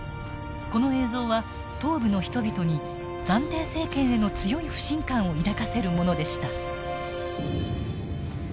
この映像は東部の人々に暫定政権への強い不信感を抱かせるものでした。